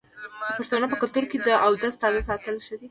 د پښتنو په کلتور کې د اودس تازه ساتل ښه دي.